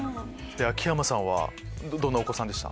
秋山さんはどんなお子さんでした？